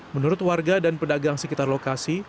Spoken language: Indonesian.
menurut warga dan pedagang sekitar lokasi